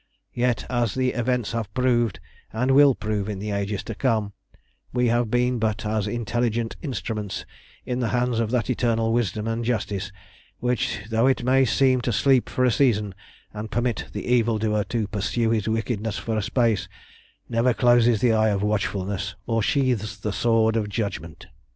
"Yet, as the events have proved, and will prove in the ages to come, we have been but as intelligent instruments in the hands of that eternal wisdom and justice which, though it may seem to sleep for a season, and permit the evildoer to pursue his wickedness for a space, never closes the eye of watchfulness or sheathes the sword of judgment.